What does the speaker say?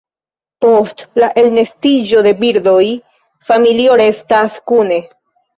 Post la elnestiĝo de birdoj, familio restas kune.